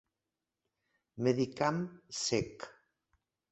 Medicam Sec.